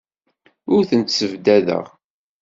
Ur tent-ssebdadeɣ.